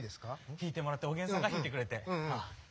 弾いてもらっておげんさんが弾いてくれて了解です。